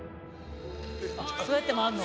あっそうやって回んの？